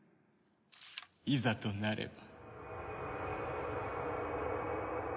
いざとなれば。